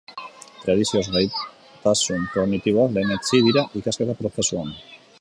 Tradizioz gaitasun kognitiboak lehenetsi dira ikasketa prozesuetan.